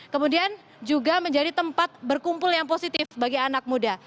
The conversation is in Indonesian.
kemudian juga menjadi tempat berkumpul yang positif bagi anak muda